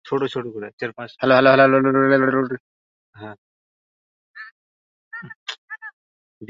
এর কয়েক বছর পর যিহূদা আবার বিদ্রোহ করে।